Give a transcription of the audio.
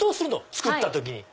作った時に。